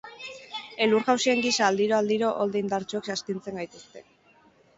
Elur-jausien gisa, aldiro-aldiro olde indartsuek astintzen gaituzte.